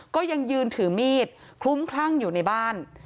ก็ยังยืนถือมีดคลุ้มคลั่งอยู่ในบ้าน